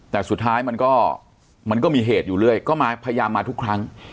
แต่สุดท้ายมันก็มันก็มีเหตุอยู่เรื่อยก็มาพยายามมาทุกครั้ง